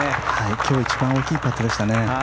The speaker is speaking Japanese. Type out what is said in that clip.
今日一番大きいパットでしたね。